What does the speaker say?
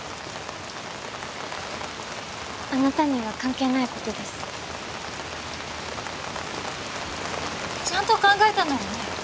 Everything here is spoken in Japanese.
あなたには関係ないことですちゃんと考えたのよね